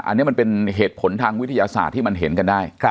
อันนี้มันเป็นเหตุผลทางวิทยาศาสตร์ที่มันเห็นกันได้